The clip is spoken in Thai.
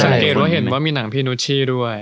สังเกตว่าเห็นว่ามีหนังพี่นุชชี่ด้วย